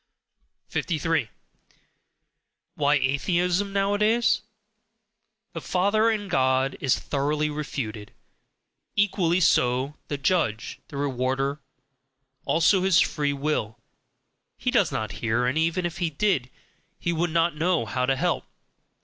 53. Why Atheism nowadays? "The father" in God is thoroughly refuted; equally so "the judge," "the rewarder." Also his "free will": he does not hear and even if he did, he would not know how to help.